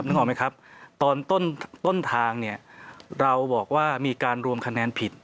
ออกไหมครับตอนต้นทางเนี่ยเราบอกว่ามีการรวมคะแนนผิด